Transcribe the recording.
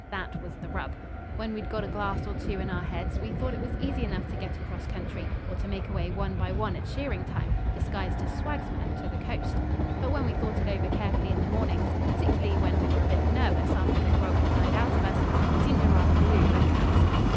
That was the rub. When we'd got a glass or two in our heads we thought it was easy enough to get across country, or to make away one by one at shearing time, disguised as swagsmen, to the coast. But when we thought it over carefully in the mornings, particularly when we were a bit nervous after the grog had died out of us, it seemed a rather blue look out.